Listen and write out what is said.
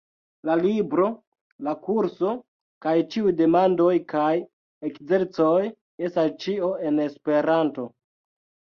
La libro, la kurso, kaj ĉiuj demandoj kaj ekzercoj estas ĉio en Esperanto.